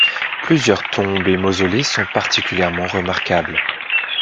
Plusieurs tombes et mausolées sont particulièrement remarquables.